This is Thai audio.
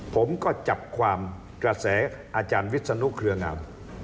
ผมก็จับความกระแสอาจารย์วิศนุเครืองาม